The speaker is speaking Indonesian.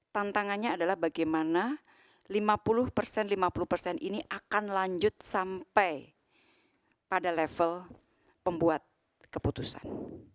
tantangannya adalah bagaimana lima puluh persen lima puluh persen ini akan lanjut sampai pada level pembuat keputusan